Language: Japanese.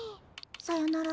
さよなら。